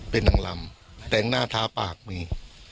เป็นนางลำแต่งหน้าท้าปากมี